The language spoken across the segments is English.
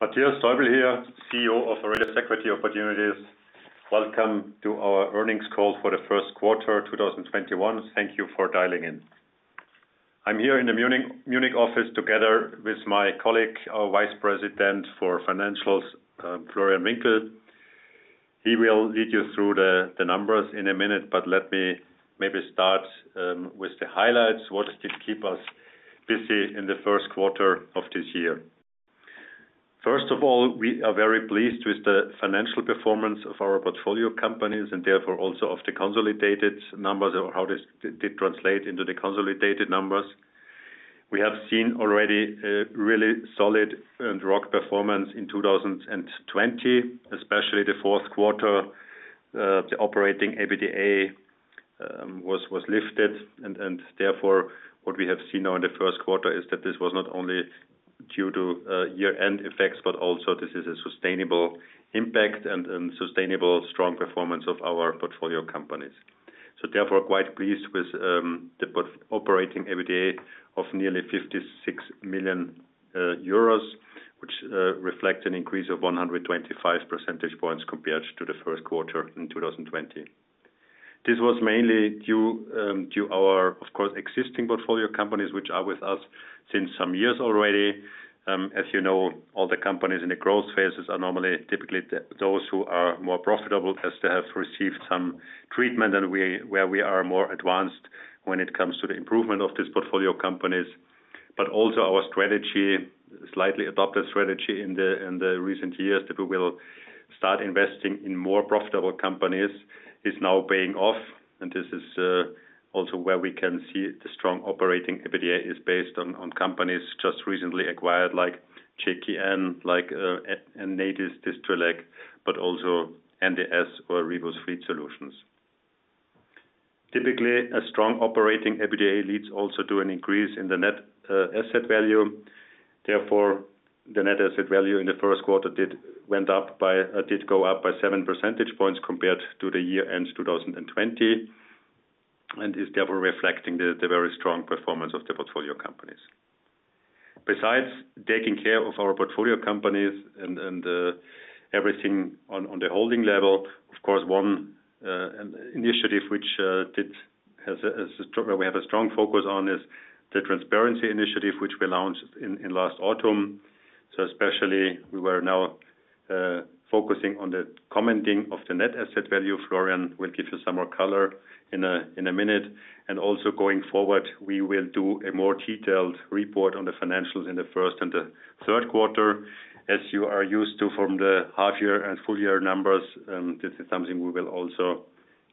Matthias Täubl here, CEO of AURELIUS Equity Opportunities. Welcome to our earnings call for the first quarter 2021. Thank you for dialing in. I am here in the Munich office together with my colleague, our Vice President for Financials, Florian Winkel. He will lead you through the numbers in a minute. Let me maybe start with the highlights. What did keep us busy in the first quarter of this year? First of all, we are very pleased with the financial performance of our portfolio companies and therefore also of the consolidated numbers or how this did translate into the consolidated numbers. We have seen already a really solid and rock performance in 2020, especially the fourth quarter, the operating EBITDA was lifted, and therefore what we have seen now in the first quarter is that this was not only due to year-end effects, but also this is a sustainable impact and sustainable strong performance of our portfolio companies. Quite pleased with the operating EBITDA of nearly 56 million euros, which reflects an increase of 125 percentage points compared to the first quarter in 2020. This was mainly due to our, of course, existing portfolio companies, which are with us since some years already. As you know, all the companies in the growth phases are normally typically those who are more profitable as they have received some treatment and where we are more advanced when it comes to the improvement of this portfolio companies. Also our strategy, slightly adopted strategy in the recent years that we will start investing in more profitable companies is now paying off, and this is also where we can see the strong operating EBITDA is based on companies just recently acquired like GKN, like Nedis, Distrelec, but also NDS or Rivus Fleet Solutions. Typically, a strong operating EBITDA leads also to an increase in the net asset value. Therefore, the net asset value in the first quarter did go up by seven percentage points compared to the year-end 2020, and is therefore reflecting the very strong performance of the portfolio companies. Besides taking care of our portfolio companies and everything on the holding level, of course, one initiative which we have a strong focus on is the transparency initiative, which we launched in last autumn. Especially we were now focusing on the commenting of the net asset value. Florian will give you some more color in a minute. Also going forward, we will do a more detailed report on the financials in the first and the third quarter, as you are used to from the half year and full year numbers. This is something we will also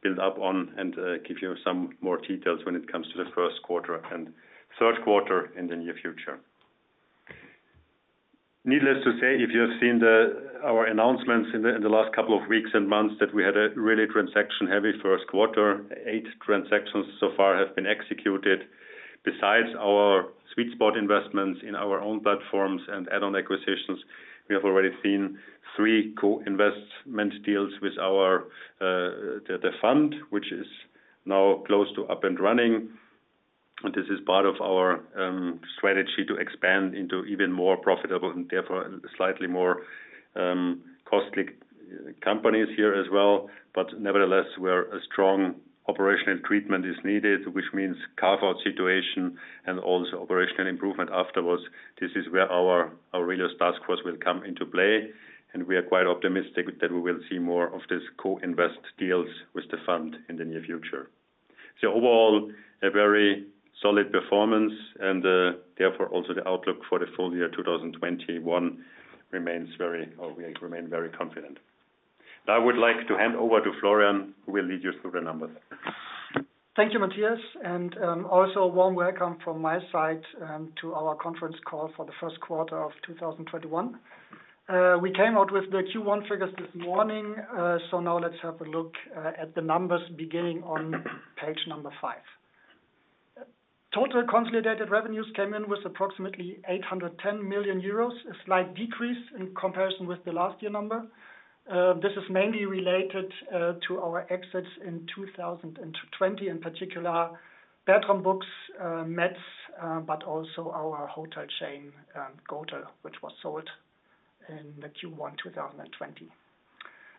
build up on and give you some more details when it comes to the first quarter and third quarter in the near future. Needless to say, if you have seen our announcements in the last couple of weeks and months that we had a really transaction-heavy first quarter. Eight transactions so far have been executed. Besides our sweet spot investments in our own platforms and add-on acquisitions, we have already seen three co-investment deals with the fund, which is now close to up and running. This is part of our strategy to expand into even more profitable and therefore slightly more costly companies here as well. Nevertheless, where a strong operational treatment is needed, which means carve-out situation and also operational improvement afterwards, this is where our AURELIUS task force will come into play, and we are quite optimistic that we will see more of this co-invest deals with the fund in the near future. Overall, a very solid performance and, therefore, also the outlook for the full year 2021 we remain very confident. Now I would like to hand over to Florian, who will lead you through the numbers. Thank you, Matthias, and also a warm welcome from my side to our conference call for the first quarter of 2021. We came out with the Q1 figures this morning, let's have a look at the numbers beginning on page number five. Total consolidated revenues came in with approximately 810 million euros, a slight decrease in comparison with the last year number. This is mainly related to our exits in 2020, in particular, Bertram Books, Metz, but also our hotel chain, GHOTEL, which was sold in the Q1 2020.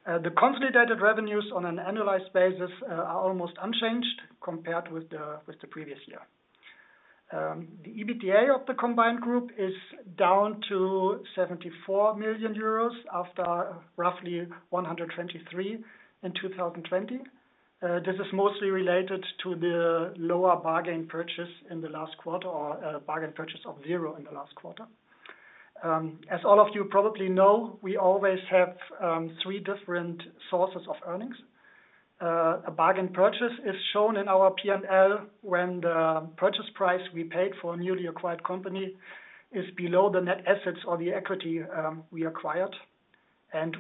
The consolidated revenues on an annualized basis are almost unchanged compared with the previous year. The EBITDA of the combined group is down to 74 million euros after roughly 123 million in 2020. This is mostly related to the lower bargain purchase in the last quarter or a bargain purchase of zero in the last quarter. As all of you probably know, we always have three different sources of earnings. A bargain purchase is shown in our P&L when the purchase price we paid for a newly acquired company is below the net assets or the equity we acquired.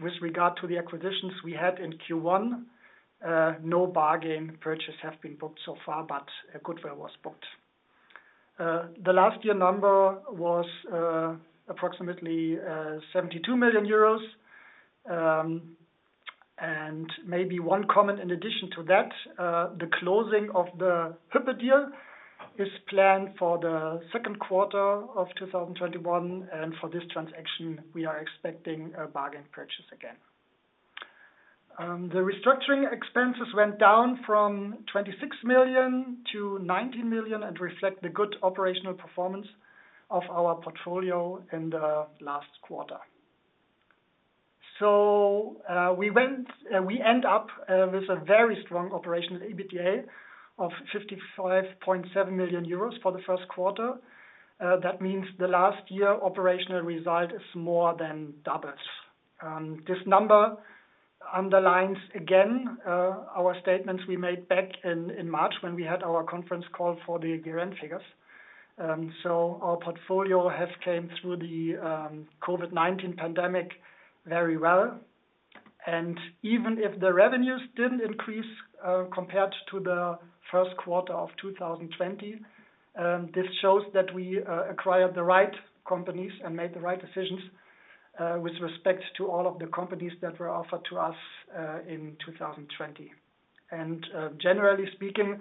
With regard to the acquisitions we had in Q1, no bargain purchase have been booked so far, but goodwill was booked. The last year number was approximately 72 million euros. Maybe one comment in addition to that, the closing of the Hüppe deal is planned for the second quarter of 2021, and for this transaction, we are expecting a bargain purchase again. The restructuring expenses went down from 26 million-19 million and reflect the good operational performance of our portfolio in the last quarter. We end up with a very strong operational EBITDA of 55.7 million euros for the first quarter. That means the last year operational result is more than doubles. This number underlines again our statements we made back in March when we had our conference call for the year-end figures. Our portfolio has come through the COVID-19 pandemic very well. Even if the revenues didn't increase compared to the first quarter of 2020, this shows that we acquired the right companies and made the right decisions with respect to all of the companies that were offered to us in 2020. Generally speaking,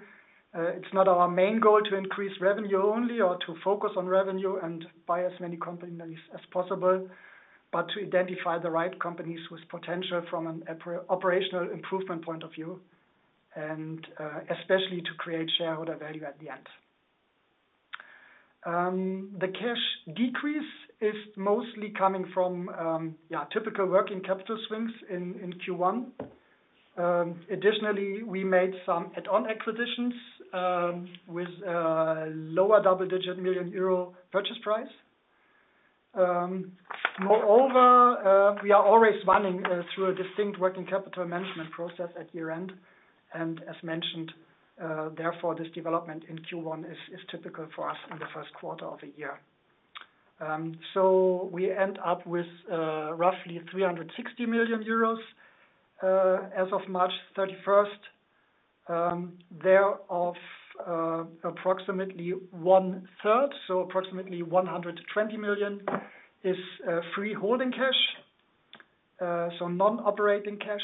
it's not our main goal to increase revenue only or to focus on revenue and buy as many companies as possible, but to identify the right companies with potential from an operational improvement point of view, and especially to create shareholder value at the end. The cash decrease is mostly coming from typical working capital swings in Q1. We made some add-on acquisitions with a lower double-digit million EUR purchase price. Moreover, we are always running through a distinct working capital management process at year-end. As mentioned, therefore, this development in Q1 is typical for us in the first quarter of a year. We end up with roughly 360 million euros as of March 31st. Thereof, approximately 1/3, so approximately 120 million is free holding cash, so non-operating cash.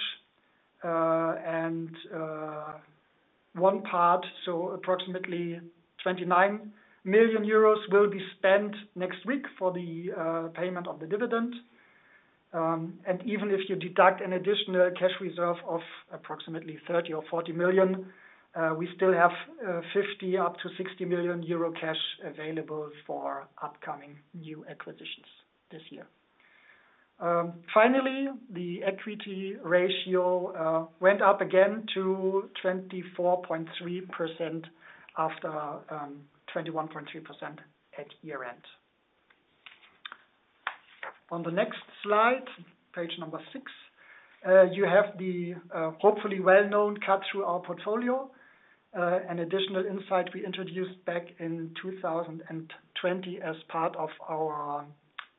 One part, so approximately 29 million euros will be spent next week for the payment of the dividend. Even if you deduct an additional cash reserve of approximately 30 million or 40 million, we still have 50 million up to 60 million euro cash available for upcoming new acquisitions this year. Finally, the equity ratio went up again to 24.3% after 21.3% at year-end. On the next slide, page number six, you have the hopefully well-known cut through our portfolio, an additional insight we introduced back in 2020 as part of our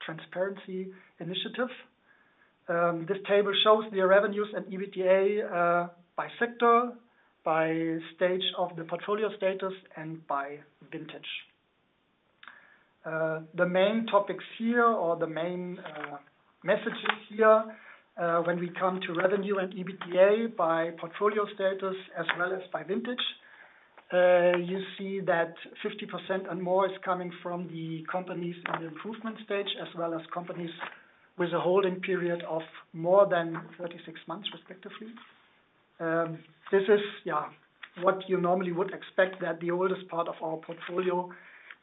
transparency initiative. This table shows the revenues and EBITDA by sector, by stage of the portfolio status, and by vintage. The main topics here or the main messages here, when we come to revenue and EBITDA by portfolio status as well as by vintage, you see that 50% and more is coming from the companies in the improvement stage, as well as companies with a holding period of more than 36 months, respectively. This is what you normally would expect that the oldest part of our portfolio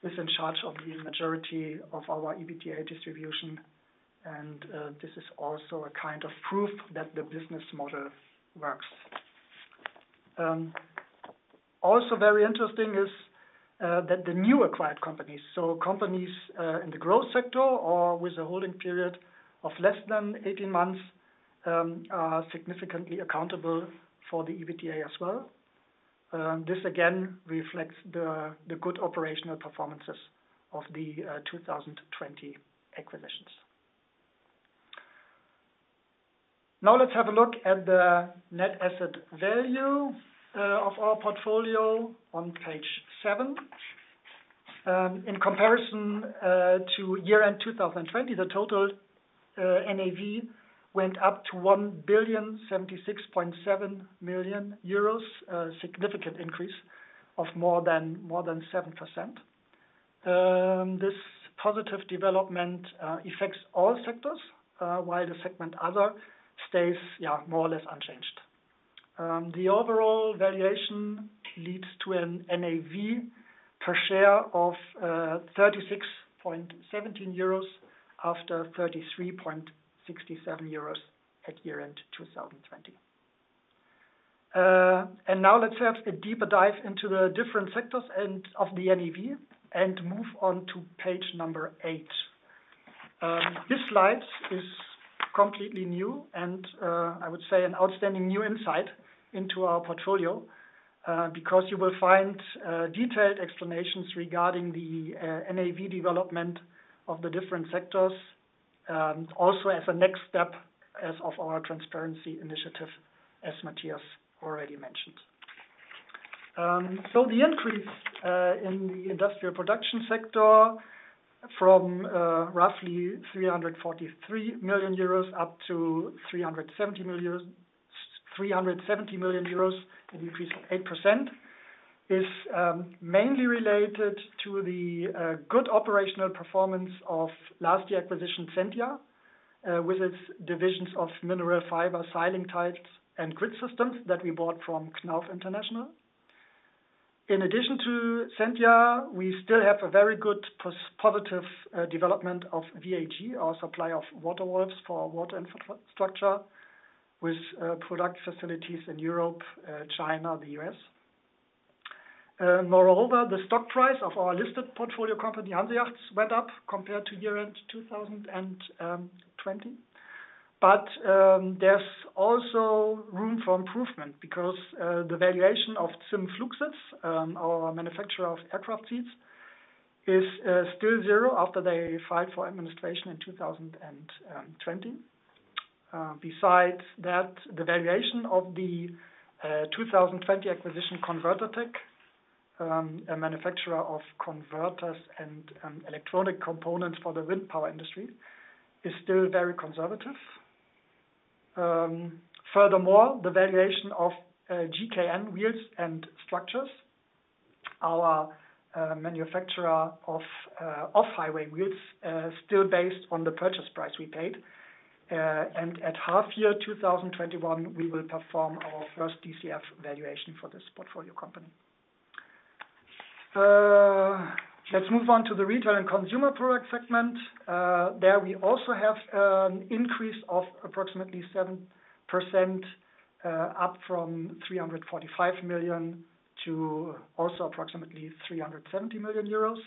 is in charge of the majority of our EBITDA distribution, and this is also a kind of proof that the business model works. Very interesting is that the new acquired companies, so companies in the growth sector or with a holding period of less than 18 months, are significantly accountable for the EBITDA as well. This again reflects the good operational performances of the 2020 acquisitions. Let's have a look at the net asset value of our portfolio on page seven. In comparison to year-end 2020, the total NAV went up to 1,076.7 million euros, a significant increase of more than 7%. This positive development affects all sectors, while the segment other stays more or less unchanged. The overall valuation leads to an NAV per share of 36.17 euros after 33.67 euros at year-end 2020. Let's have a deeper dive into the different sectors of the NAV and move on to page number eight. This slide is completely new and I would say an outstanding new insight into our portfolio, because you will find detailed explanations regarding the NAV development of the different sectors, also as a next step as of our transparency initiative, as Matthias already mentioned. The increase in the industrial production sector from roughly 343 million euros up to 370 million euros, an increase of 8%, is mainly related to the good operational performance of last year acquisition Zentia, with its divisions of mineral fiber, ceiling tiles, and grid systems that we bought from Knauf International. In addition to Zentia, we still have a very good positive development of VAG, our supplier of water works for water infrastructure with production facilities in Europe, China, the U.S. Moreover, the stock price of our listed portfolio company, HanseYachts, went up compared to year-end 2020. There's also room for improvement because the valuation of ZIM Flugsitz, our manufacturer of aircraft seats, is still zero after they filed for administration in 2020. Besides that, the valuation of the 2020 acquisition, ConverterTec, a manufacturer of converters and electronic components for the wind power industry, is still very conservative. Furthermore, the valuation of GKN Wheels and Structures, our manufacturer of off-highway wheels, still based on the purchase price we paid. At half year 2021, we will perform our first DCF valuation for this portfolio company. Let's move on to the retail and consumer product segment. There we also have an increase of approximately 7% up from 345 million to also approximately 370 million euros.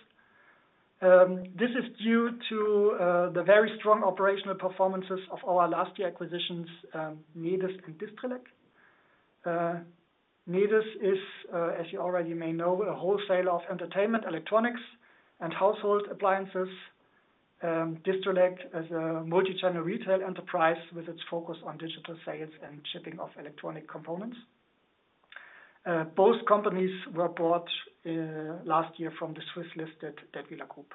This is due to the very strong operational performances of our last year acquisitions, Nedis and Distrelec. Nedis is, as you already may know, a wholesaler of entertainment electronics and household appliances. Distrelec is a multi-channel retail enterprise with its focus on digital sales and shipping of electronic components. Both companies were bought last year from the Swiss listed Dätwyler Group.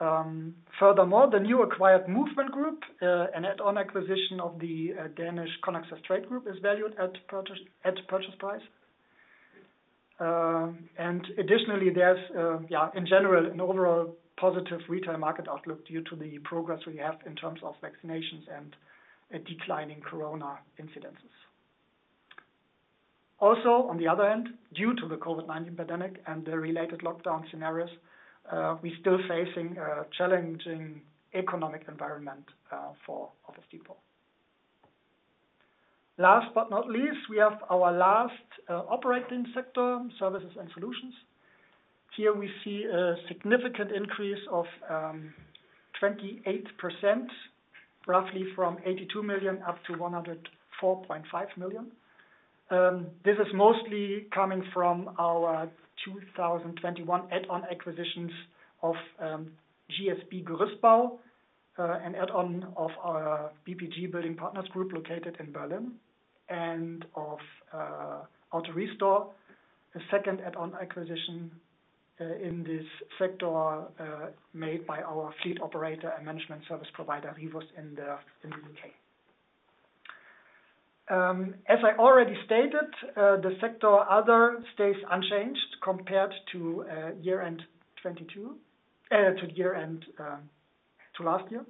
The new acquired Movement Group, an add-on acquisition of the Danish Conaxess Trade group, is valued at purchase price. Additionally, there's in general, an overall positive retail market outlook due to the progress we have in terms of vaccinations and a decline in corona incidences. On the other hand, due to the COVID-19 pandemic and the related lockdown scenarios, we're still facing a challenging economic environment for Office Depot. Last but not least, we have our last operating sector, services and solutions. Here we see a significant increase of 28%, roughly from 82 million up to 104.5 million. This is mostly coming from our 2021 add-on acquisitions of GSB Gerüstbau, an add-on of our BPG Building Partners Group located in Berlin, and of AutoRestore, a second add-on acquisition in this sector made by our fleet operator and management service provider, Rivus in the U.K. As I already stated, the sector other stays unchanged compared to last year.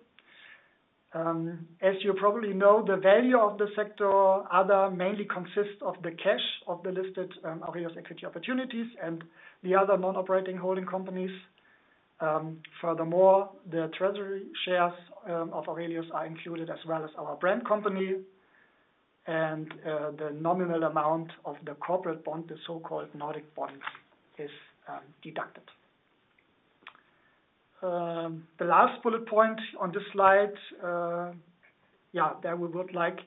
As you probably know, the value of the sector other mainly consists of the cash of the listed AURELIUS Equity Opportunities and the other non-operating holding companies. Furthermore, the treasury shares of AURELIUS are included as well as our brand company and the nominal amount of the corporate bond, the so-called Nordic Bond, is deducted. The last bullet point on this slide that we would like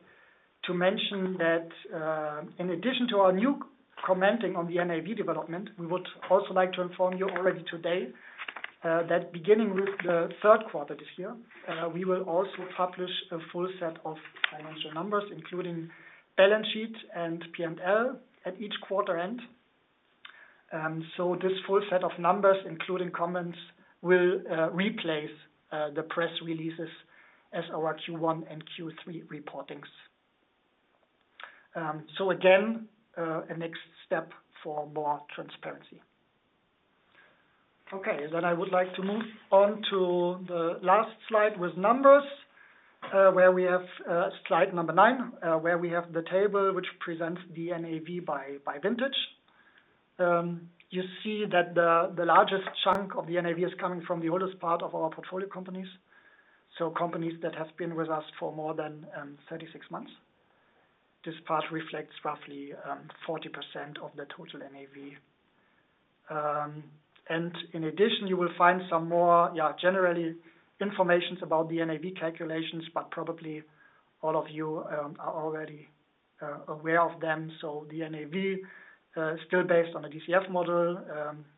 to mention that in addition to our new commenting on the NAV development, we would also like to inform you already today that beginning with the third quarter this year, we will also publish a full set of financial numbers, including balance sheet and P&L at each quarter end. This full set of numbers, including comments, will replace the press releases as our Q1 and Q3 reportings. Again, a next step for more transparency. Okay, I would like to move on to the last slide with numbers, slide number nine, where we have the table which presents the NAV by vintage. You see that the largest chunk of the NAV is coming from the oldest part of our portfolio companies, so companies that have been with us for more than 36 months. This part reflects roughly 40% of the total NAV. In addition, you will find some more general information about the NAV calculations, but probably all of you are already aware of them. The NAV is still based on a DCF model.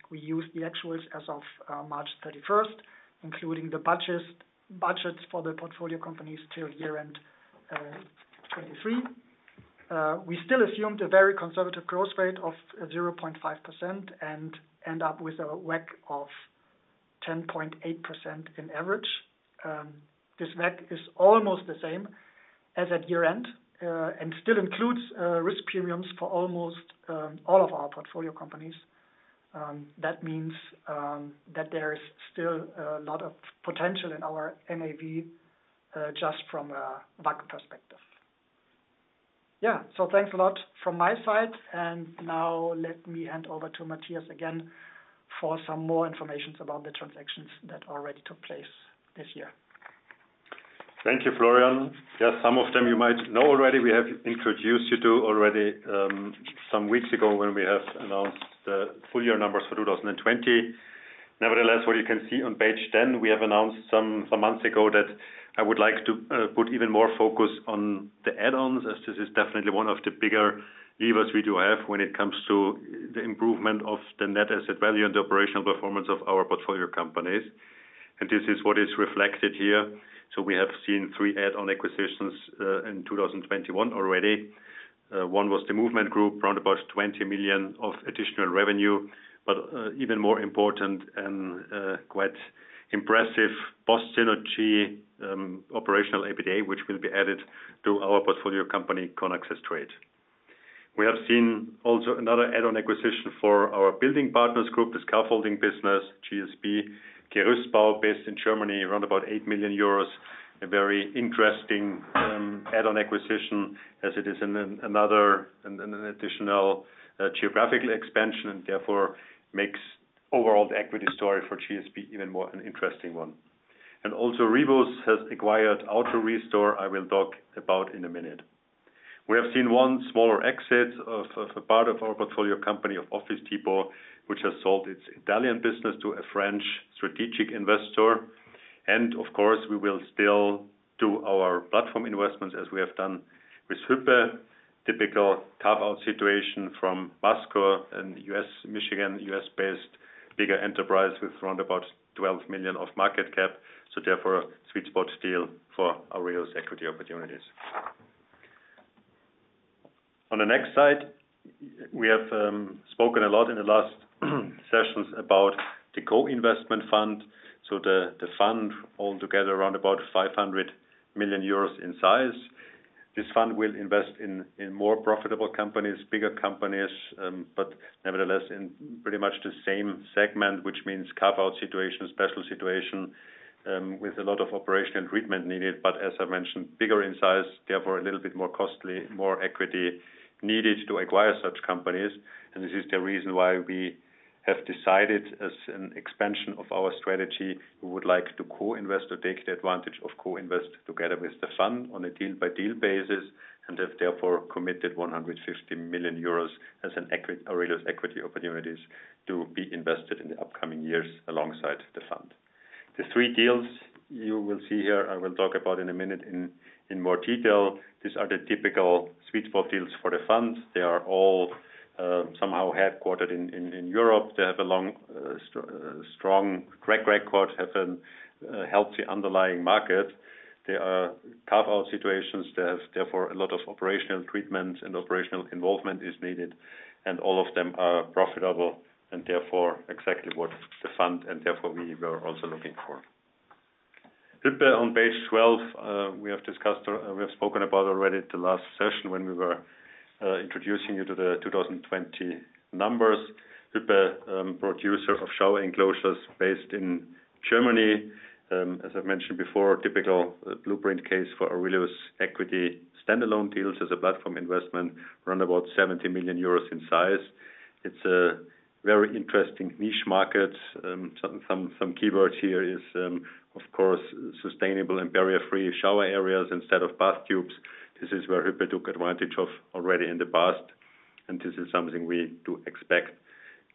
We use the actuals as of March 31st, including the budgets for the portfolio companies till year-end 2023. We still assumed a very conservative growth rate of 0.5% and end up with a WACC of 10.8% in average. This WACC is almost the same as at year-end, and still includes risk premiums for almost all of our portfolio companies. That means that there is still a lot of potential in our NAV, just from a WACC perspective. Yeah. Thanks a lot from my side, and now let me hand over to Matthias again for some more information about the transactions that already took place this year. Thank you, Florian. Yeah, some of them you might know already. We have introduced you to already some weeks ago when we have announced the full year numbers for 2020. Nevertheless, what you can see on page 10, we have announced some months ago that I would like to put even more focus on the add-ons, as this is definitely one of the bigger levers we do have when it comes to the improvement of the net asset value and the operational performance of our portfolio companies. This is what is reflected here. We have seen three add-on acquisitions in 2021 already. One was the Movement Group, around about 20 million of additional revenue, but even more important, and quite impressive, post synergy operational EBITDA, which will be added to our portfolio company, Conaxess Trade. We have seen also another add-on acquisition for our Building Partners Group, the scaffolding business, GSB Gerüstbau, based in Germany, around about 8 million euros. A very interesting add-on acquisition as it is another additional geographical expansion and therefore makes overall the equity story for GSB even more an interesting one. Also, Rivus has acquired AutoRestore, I will talk about in a minute. We have seen one smaller exit of a part of our portfolio company of Office Depot, which has sold its Italian business to a French strategic investor. Of course, we will still do our platform investments as we have done with Hüppe, typical carve-out situation from Masco and Michigan U.S.-based bigger enterprise with around about 12 million of market cap. Therefore, a sweet spot still for AURELIUS Equity Opportunities. On the next slide, we have spoken a lot in the last sessions about the co-investment fund. The fund altogether around about 500 million euros in size. This fund will invest in more profitable companies, bigger companies, but nevertheless, in pretty much the same segment, which means carve-out situation, special situation, with a lot of operational treatment needed. As I mentioned, bigger in size, therefore a little bit more costly, more equity needed to acquire such companies. This is the reason why we have decided as an expansion of our strategy, we would like to co-invest or take the advantage of co-invest together with the fund on a deal-by-deal basis. Have therefore committed 150 million euros as AURELIUS Equity Opportunities to be invested in the upcoming years alongside the fund. The three deals you will see here, I will talk about in a minute in more detail. These are the typical sweet spot deals for the funds. They are all somehow headquartered in Europe. They have a long, strong track record, have a healthy underlying market. They are carve-out situations. There is therefore a lot of operational treatment and operational involvement is needed, and all of them are profitable and therefore exactly what the fund, and therefore we were also looking for. Hüppe on page 12, we have spoken about already the last session when we were introducing you to the 2020 numbers. Hüppe, producer of shower enclosures based in Germany. As I mentioned before, typical blueprint case for AURELIUS Equity standalone deals as a platform investment around about 70 million euros in size. It's a very interesting niche market. Some keywords here is, of course, sustainable and barrier-free shower areas instead of bathtubs. This is where Hüppe took advantage of already in the past. This is something we do expect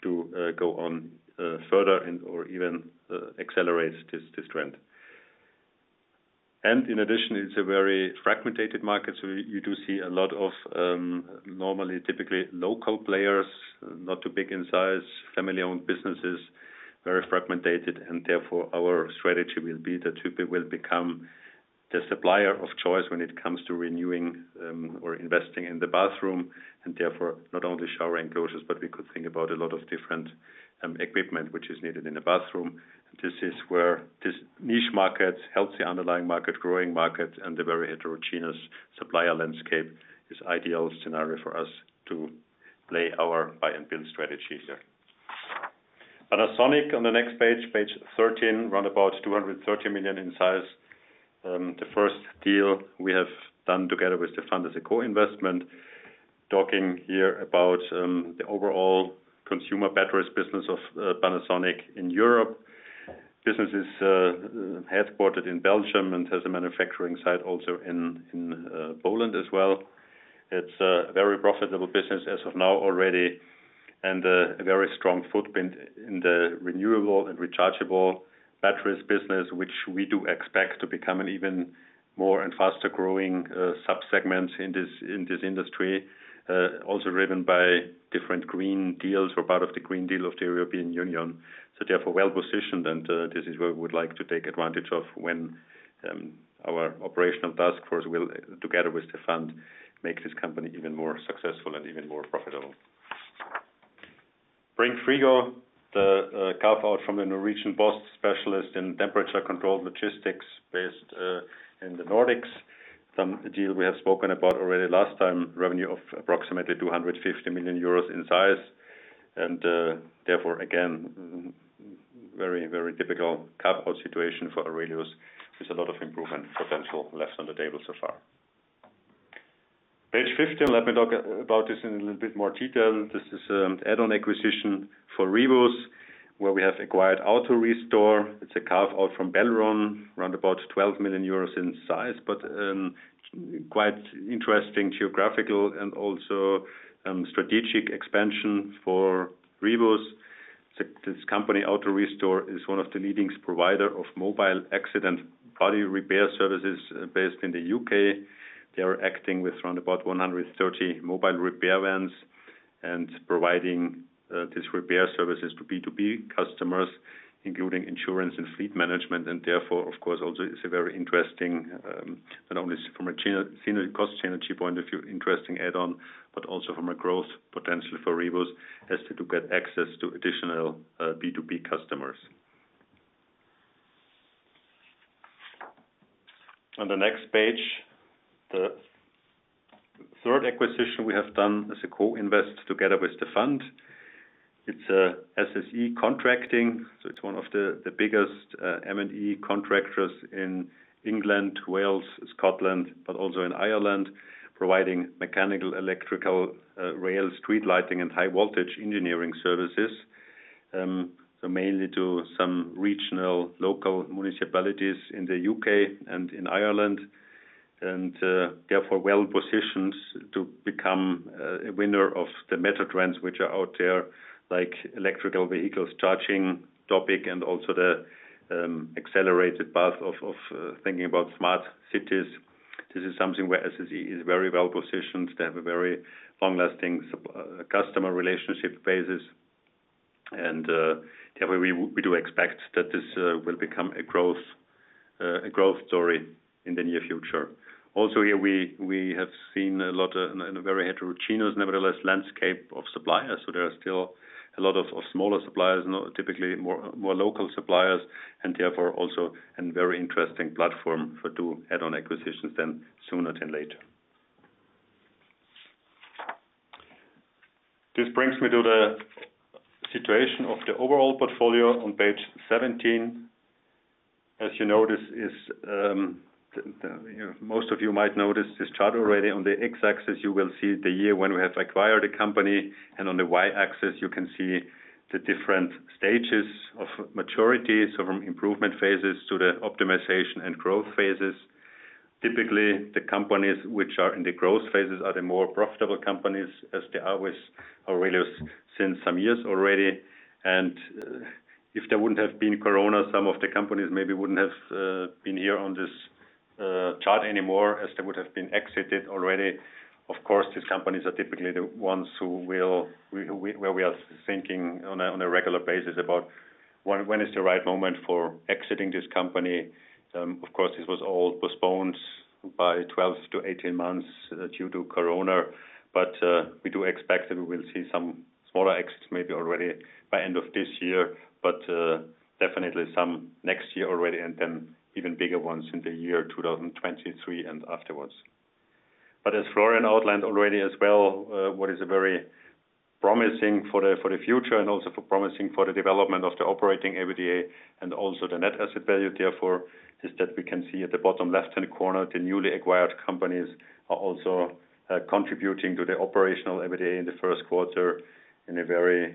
to go on further or even accelerate this trend. In addition, it's a very fragmented market. You do see a lot of normally, typically local players, not too big in size, family-owned businesses, very fragmented. Therefore, our strategy will be that Hüppe will become the supplier of choice when it comes to renewing or investing in the bathroom. Therefore not only shower enclosures, but we could think about a lot of different equipment which is needed in a bathroom. This is where this niche market, healthy underlying market, growing market, and the very heterogeneous supplier landscape is ideal scenario for us to play our buy and build strategy here. Panasonic on the next page 13, around about 230 million in size. The first deal we have done together with the fund as a co-investment. Talking here about the overall consumer batteries business of Panasonic in Europe. Business is headquartered in Belgium and has a manufacturing site also in Poland as well. It's a very profitable business as of now already, and a very strong footprint in the renewable and rechargeable batteries business, which we do expect to become an even more and faster-growing sub-segment in this industry. Also driven by different green deals or part of the Green Deal of the European Union. Therefore, well-positioned, and this is where we would like to take advantage of when our operational task force will, together with the fund, make this company even more successful and even more profitable. Bring Frigo, the carve-out from the Norwegian post specialist in temperature control logistics based in the Nordics. Some deal we have spoken about already last time, revenue of approximately 250 million euros in size and therefore again, very typical carve-out situation for AURELIUS with a lot of improvement potential left on the table so far. Page 15, let me talk about this in a little bit more detail. This is add-on acquisition for Rivus, where we have acquired AutoRestore. It's a carve-out from Belron, around about 12 million euros in size, but quite interesting geographical and also strategic expansion for Rivus. This company, AutoRestore, is one of the leading provider of mobile accident body repair services based in the U.K. They are acting with around about 130 mobile repair vans and providing these repair services to B2B customers, including insurance and fleet management and therefore, of course, also is a very interesting not only from a cost synergy point of view, interesting add-on, but also from a growth potential for Rivus as to get access to additional B2B customers. On the next page, the third acquisition we have done as a co-invest together with the fund. It's SSE Contracting, so it's one of the biggest M&E contractors in England, Wales, Scotland, but also in Ireland, providing mechanical, electrical, rail, street lighting, and high voltage engineering services. Mainly to some regional local municipalities in the U.K. and in Ireland and therefore well-positioned to become a winner of the megatrends which are out there, like electrical vehicles charging topic and also the accelerated path of thinking about smart cities. This is something where SSE is very well positioned. They have a very long-lasting customer relationship basis and we do expect that this will become a growth story in the near future. Also here we have seen a lot in a very heterogeneous, nevertheless, landscape of suppliers. There are still a lot of smaller suppliers, typically more local suppliers and therefore also a very interesting platform for two add-on acquisitions then sooner than later. This brings me to the situation of the overall portfolio on page 17. Most of you might notice this chart already. On the x-axis, you will see the year when we have acquired a company, and on the y-axis, you can see the different stages of maturity, so from improvement phases to the optimization and growth phases. Typically, the companies which are in the growth phases are the more profitable companies as they are with AURELIUS since some years already. If there wouldn't have been COVID, some of the companies maybe wouldn't have been here on this chart anymore as they would have been exited already. Of course, these companies are typically the ones where we are thinking on a regular basis about when is the right moment for exiting this company. Of course, this was all postponed by 12-18 months due to COVID-19. We do expect that we will see some smaller exits maybe already by end of this year. Definitely some next year already and then even bigger ones in the year 2023 and afterwards. As Florian outlined already as well, what is very promising for the future and also promising for the development of the operating EBITDA and also the net asset value, therefore, is that we can see at the bottom left-hand corner, the newly acquired companies are also contributing to the operational EBITDA in the first quarter in a very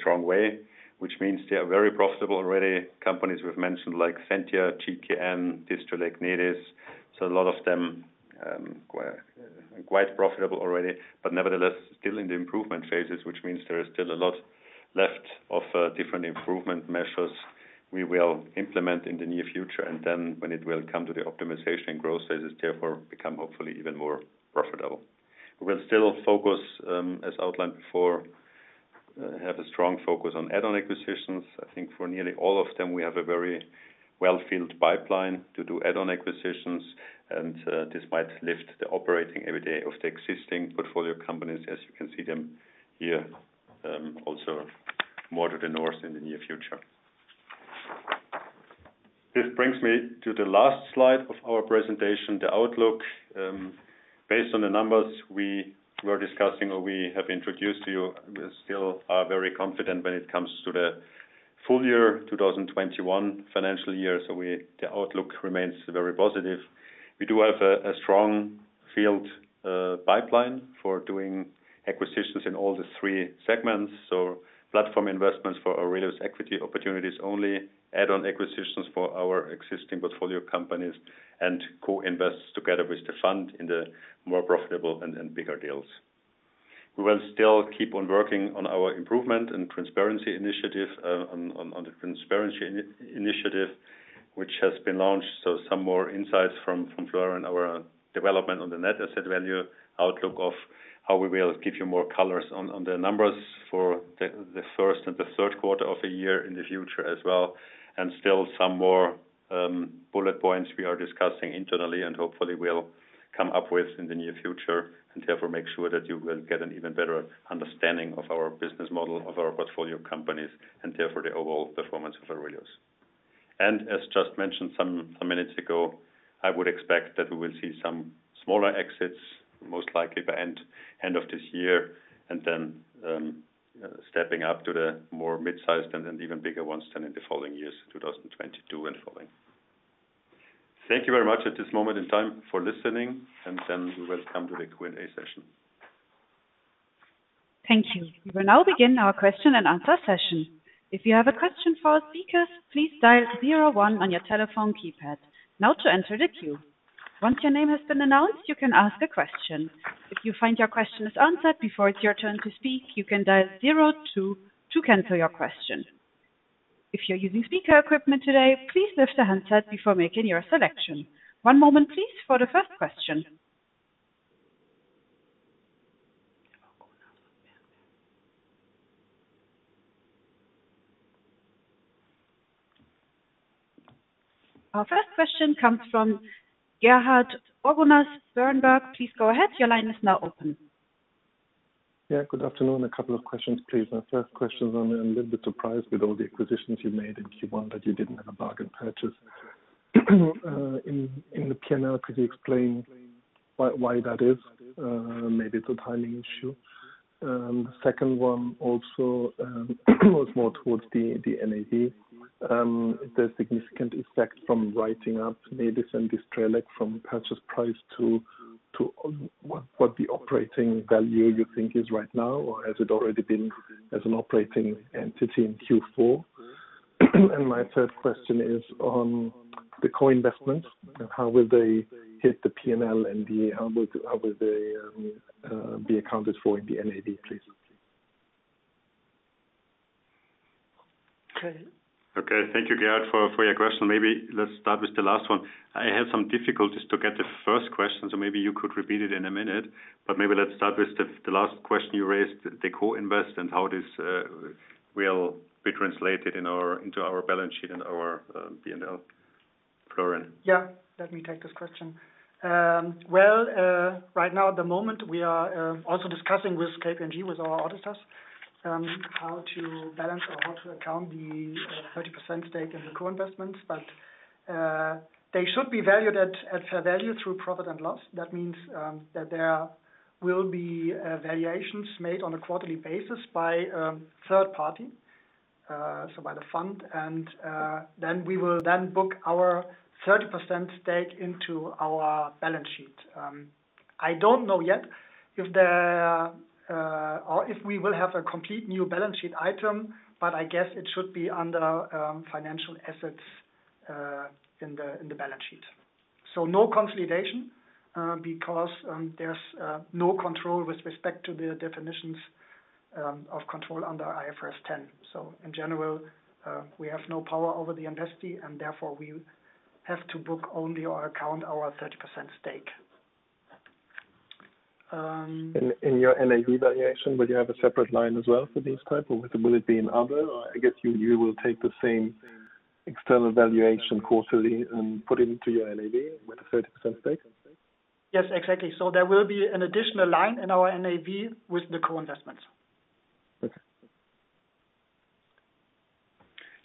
strong way, which means they are very profitable already. Companies we've mentioned like Zentia, GKN, Distrelec, Nedis. A lot of them quite profitable already, but nevertheless, still in the improvement phases, which means there is still a lot left of different improvement measures we will implement in the near future and then when it will come to the optimization growth phases, therefore become hopefully even more profitable. We will still focus, as outlined before, have a strong focus on add-on acquisitions. I think for nearly all of them, we have a very well-filled pipeline to do add-on acquisitions and this might lift the operating EBITDA of the existing portfolio companies as you can see them here, also more to the north in the near future. This brings me to the last slide of our presentation, the outlook. Based on the numbers we were discussing or we have introduced to you, we still are very confident when it comes to the full year 2021 financial year. The outlook remains very positive. We do have a strong field pipeline for doing acquisitions in all the three segments. Platform investments for AURELIUS Equity Opportunities only, add-on acquisitions for our existing portfolio companies, and co-invest together with the fund in the more profitable and bigger deals. We will still keep on working on our improvement and transparency initiative, which has been launched. Some more insights from Florian, our development on the net asset value outlook of how we will give you more colors on the numbers for the first and the third quarter of the year in the future as well, and still some more bullet points we are discussing internally and hopefully will come up with in the near future and therefore make sure that you will get an even better understanding of our business model of our portfolio companies and therefore the overall performance of AURELIUS. As just mentioned some minutes ago, I would expect that we will see some smaller exits, most likely by end of this year, and then stepping up to the more mid-sized and then even bigger ones than in the following years, 2022 and following. Thank you very much at this moment in time for listening. We will come to the Q&A session. Thank you. We will now begin our question and answer session. If you have a question for our speakers, please dial zero one on your telephone keypad. Now to enter the queue. Once your name has been announced, you can ask a question. If you find your question is answered before it is your turn to speak, you can dial zero two to cancel your question. If you are using speaker equipment today, please lift the handset before making your selection. One moment please, for the first question. Our first question comes from Gerhard Orgonas, Berenberg. Please go ahead. Your line is now open. Good afternoon. A couple of questions, please. My first question is, I am a little bit surprised with all the acquisitions you made in Q1 that you did not have a bargain purchase. In the P&L, could you explain why that is? Maybe it is a timing issue. Second one also was more towards the NAV. The significant effect from writing up Nedis and Distrelec from purchase price to what the operating value you think is right now, or has it already been as an operating entity in Q4? My third question is on the co-investment, how will they hit the P&L and how will they be accounted for in the NAV, please? Okay. Okay. Thank you, Gerhard, for your question. Maybe let's start with the last one. I had some difficulties to get the first question, so maybe you could repeat it in a minute. Maybe let's start with the last question you raised, the co-invest and how this will be translated into our balance sheet and our P&L. Florian. Yeah. Let me take this question. Right now at the moment, we are also discussing with KPMG, with our auditors, how to balance or how to account the 30% stake in the co-investments. They should be valued at fair value through profit and loss. That means that there will be valuations made on a quarterly basis by a third party, so by the fund. We will then book our 30% stake into our balance sheet. I don't know yet if we will have a complete new balance sheet item, but I guess it should be under financial assets in the balance sheet. No consolidation, because there's no control with respect to the definitions of control under IFRS 10. In general, we have no power over the investee, and therefore we have to book only or account our 30% stake. In your NAV valuation, will you have a separate line as well for these type, or will it be in other? I guess you will take the same external valuation quarterly and put into your NAV with a 30% stake. Yes, exactly. There will be an additional line in our NAV with the co-investments. Okay.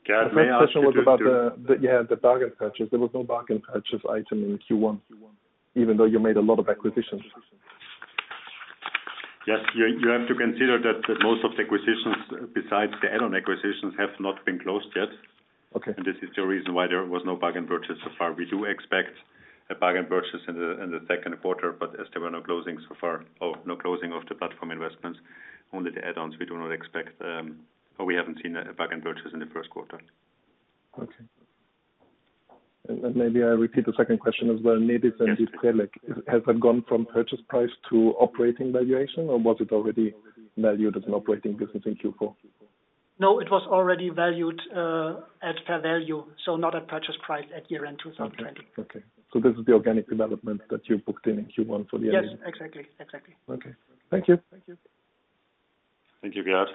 Gerhard, may I ask you. The first question was about the bargain purchase. There was no bargain purchase item in Q1, even though you made a lot of acquisitions. Yes. You have to consider that most of the acquisitions, besides the add-on acquisitions, have not been closed yet. Okay. This is the reason why there was no bargain purchase so far. We do expect a bargain purchase in the second quarter. As there were no closing so far, or no closing of the platform investments, only the add-ons, we do not expect, or we haven't seen a bargain purchase in the first quarter. Okay. Maybe I repeat the second question as well. Nedis and Distrelec, has that gone from purchase price to operating valuation, or was it already valued as an operating business in Q4? No, it was already valued at fair value, so not at purchase price at year-end 2020. Okay. This is the organic development that you booked in Q1. Yes, exactly. Okay. Thank you. Thank you, Gerhard.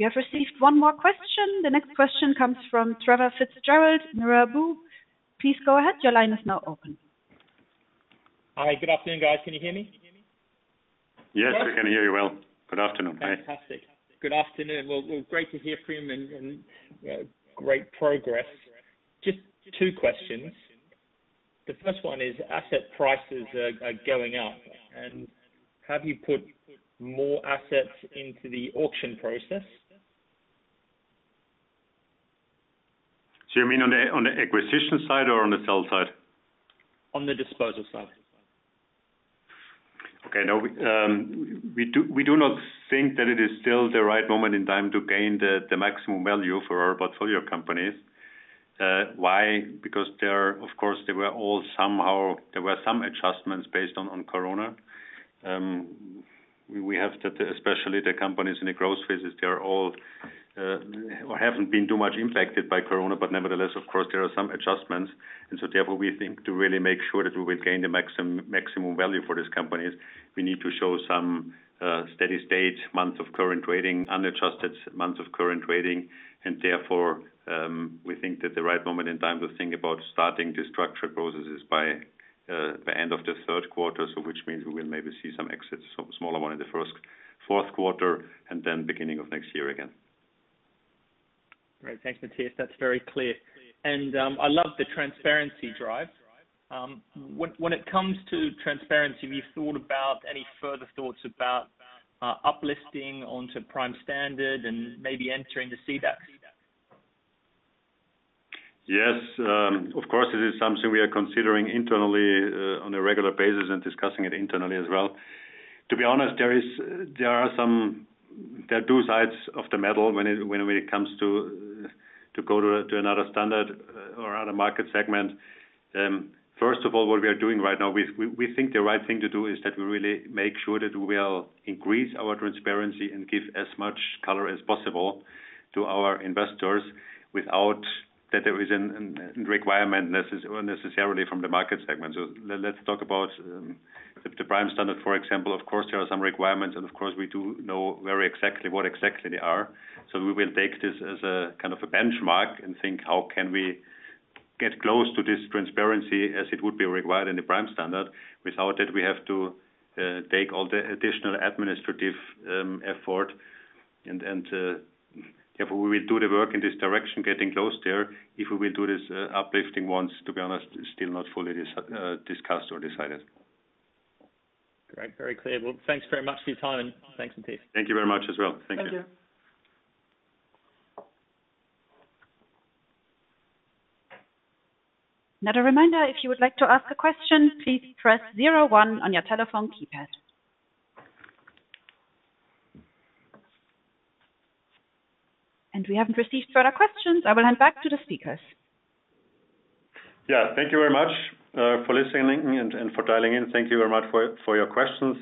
We have received one more question. The next question comes from Trevor Fitzgerald, Mirabaud. Please go ahead. Your line is now open. Hi. Good afternoon, guys. Can you hear me? Yes, we can hear you well. Good afternoon. Fantastic. Good afternoon. Well, great to hear from you, and great progress. Just two questions. The first one is, asset prices are going up. Have you put more assets into the auction process? You mean on the acquisition side or on the sell side? On the disposal side. Okay. No, we do not think that it is still the right moment in time to gain the maximum value for our portfolio companies. Why? Of course, there were some adjustments based on COVID. We have that, especially the companies in the growth phases, they haven't been too much impacted by COVID. Nevertheless, of course, there are some adjustments and so therefore we think to really make sure that we will gain the maximum value for these companies, we need to show some steady state months of current trading, unadjusted months of current trading. Therefore, we think that the right moment in time to think about starting the structure processes is by the end of the third quarter. Which means we will maybe see some exits, some smaller ones in the fourth quarter, and then beginning of next year again. Great. Thanks, Matthias. That's very clear. I love the transparency drive. When it comes to transparency, have you thought about any further thoughts about uplisting onto Prime Standard and maybe entering the CDAX? Yes. Of course, it is something we are considering internally on a regular basis and discussing it internally as well. To be honest, there are two sides of the medal when it comes to go to another standard or another market segment. First of all, what we are doing right now, we think the right thing to do is that we really make sure that we will increase our transparency and give as much color as possible to our investors without that there is a requirement necessarily from the market segment. Let's talk about the Prime Standard, for example. Of course, there are some requirements, and of course, we do know very exactly what exactly they are. We will take this as a kind of a benchmark and think how can we get close to this transparency as it would be required in the Prime Standard without it we have to take all the additional administrative effort and therefore we will do the work in this direction, getting close there. If we will do this uplisting once, to be honest, it's still not fully discussed or decided. Great. Very clear. Well, thanks very much for your time and thanks, Matthias. Thank you very much as well. Thank you. Thank you. Another reminder, if you would like to ask a question, please press zero one on your telephone keypad. We haven't received further questions. I will hand back to the speakers. Thank you very much for listening and for dialing in. Thank you very much for your questions.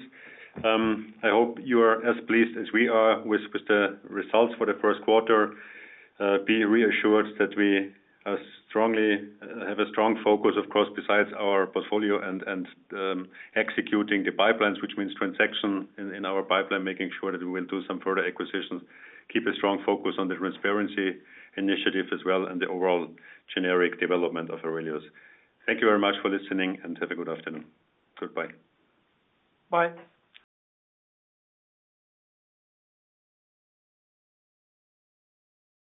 I hope you are as pleased as we are with the results for the first quarter. Be reassured that we have a strong focus, of course, besides our portfolio and executing the pipelines, which means transaction in our pipeline, making sure that we will do some further acquisitions, keep a strong focus on the transparency initiative as well, and the overall generic development of AURELIUS. Thank you very much for listening, and have a good afternoon. Goodbye. Bye.